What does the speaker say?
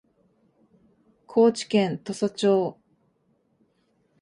高知県土佐町